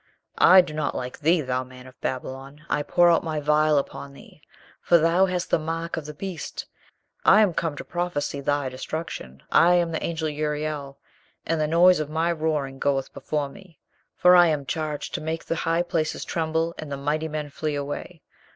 "I do not like thee, thou man of Babylon, I pour out my vial upon thee, for thou hast the mark of the beast, I am come to prophesy thy destruction. I am the Angel Uriel, and the noise of my roaring goeth before me. For I am charged to make the high places tremble and the mighty men flee away.